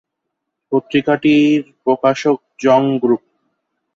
পত্রিকাটির প্রকাশক জং গ্রুপ।